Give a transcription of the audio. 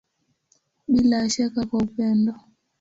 Bila ya shaka kwa upendo.